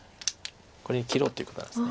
これに切ろうということなんです。